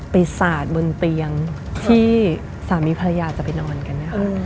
สาดบนเตียงที่สามีภรรยาจะไปนอนกันเนี่ยค่ะ